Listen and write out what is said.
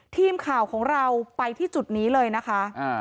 ทีมข่าวของเราไปที่จุดนี้เลยนะคะ